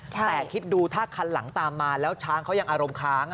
แต่คิดดูถ้าคันหลังตามมาแล้วช้างเขายังอารมณ์ค้าง